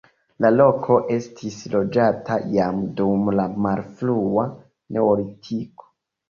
La loko estis loĝata jam dum la malfrua neolitiko.